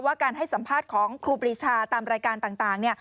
การให้สัมภาษณ์ของครูปรีชาตามรายการต่าง